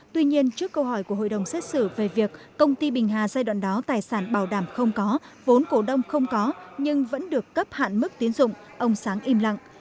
tuy nhiên trước câu hỏi của hội đồng xét xử về việc công ty bình hà giai đoạn đó tài sản bảo đảm không có vốn cổ đông không có nhưng vẫn được cấp hạn mức tiến dụng ông sáng im lặng